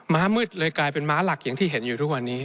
้ามืดเลยกลายเป็นม้าหลักอย่างที่เห็นอยู่ทุกวันนี้